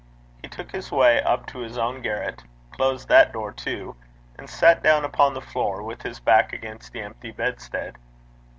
He took his way up to his own garret, closed that door too, and sat down upon the floor, with his back against the empty bedstead.